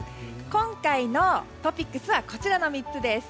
今回のトピックスはこちらの３つです。